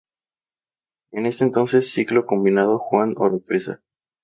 En ese entonces ciclo combinado Juan Oropeza.